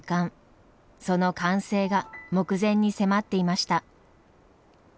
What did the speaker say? その完成が目前に迫っていました。